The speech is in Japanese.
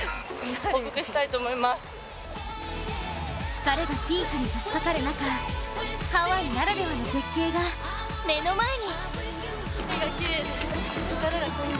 疲れがピークにさしかかる中、ハワイならではの絶景が目の前に。